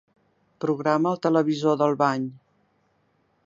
Programa el televisor del bany.